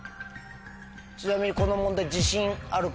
ちなみにこの問題。